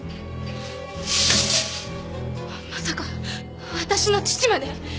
まさか私の父まで？